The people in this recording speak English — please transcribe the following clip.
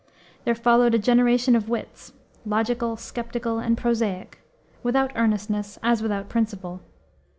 There followed a generation of wits, logical, skeptical, and prosaic, without earnestness, as without principle.